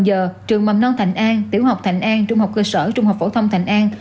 giờ trường mầm non thành an tiểu học thành an trung học cơ sở trung học phổ thông thành an